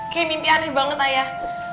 kayak mimpi aneh banget ayah